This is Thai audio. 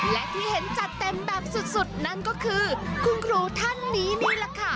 และที่เห็นจัดเต็มแบบสุดนั่นก็คือคุณครูท่านนี้นี่แหละค่ะ